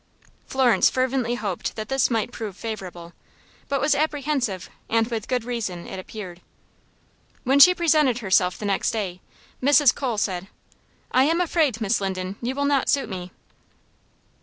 Florence fervently hoped that this might prove favorable; but was apprehensive, and with good reason, it appeared. When she presented herself the next day, Mrs. Cole said: "I am afraid, Miss Linden, you will not suit me."